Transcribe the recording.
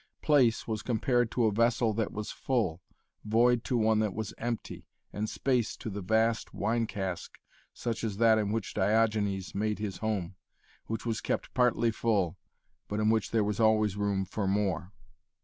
Place was compared to a vessel that was full, void to one that was empty, and space to the vast wine cask, such as that in which Diogenes made his home, which was kept partly fully, but in which there was always room for more.